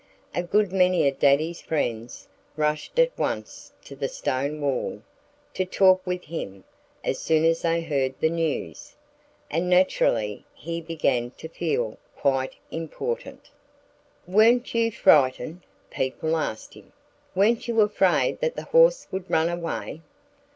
A good many of Daddy's friends rushed at once to the stone wall, to talk with him as soon as they heard the news. And naturally he began to feel quite important. "Weren't you frightened?" people asked him. "Weren't you afraid that the horse would run away?"